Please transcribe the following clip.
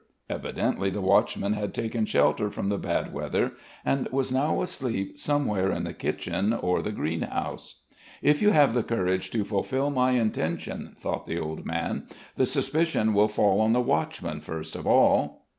Evidently the watchman had taken shelter from the bad weather and was now asleep somewhere in the kitchen or the greenhouse. "If I have the courage to fulfil my intention," thought the old man, "the suspicion will fall on the watchman first of all."